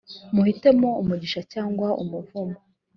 muhitemo umugisha cyangwa umuvumo